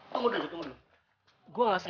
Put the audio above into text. tunggu dulu tunggu dulu